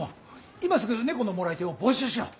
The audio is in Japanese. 今すぐ猫の貰い手を募集しよう。